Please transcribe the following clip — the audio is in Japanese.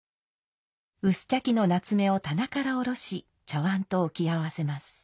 薄茶器の棗を棚から下ろし茶碗と置き合わせます。